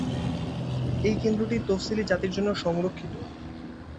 এই কেন্দ্রটি তফসিলি জাতির জন্য সংরক্ষিত।